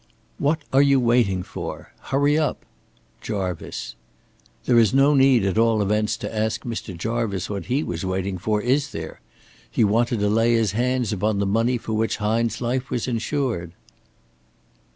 "'What are you waiting for? Hurry up! Jarvice.' There is no need at all events to ask Mr. Jarvice what he was waiting for, is there? He wanted to lay his hands upon the money for which Hine's life was insured."